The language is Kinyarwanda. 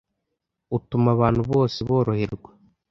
utuma abantu bose boroherwa